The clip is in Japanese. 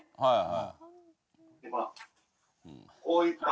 はいはい。